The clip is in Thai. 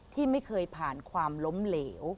ที่ไม่เคยผ่านความล้มเหลว